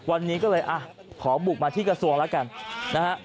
วันนี้ก็เลยอ่ะขอบุกมาที่กระทรวงแล้วกันนะฮะ